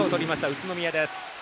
宇都宮です。